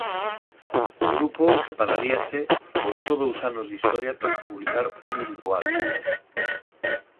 O grupo separaríase con só dous anos de historia tras publicar un único álbum.